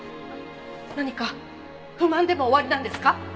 何か不満でもおありなんですか？